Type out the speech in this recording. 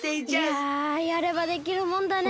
いややればできるもんだねえ。